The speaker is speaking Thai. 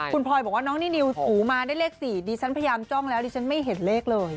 คุณพลอยบอกว่าน้องนินิวถูมาได้เลข๔ดิฉันพยายามจ้องแล้วดิฉันไม่เห็นเลขเลย